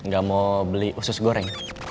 gak mau beli usus goreng